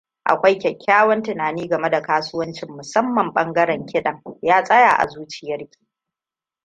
Akwai kyakkyawan tunani game da kasuwancin - musamman ɓangaren kiɗan. Ya tsaya a zuciyarki.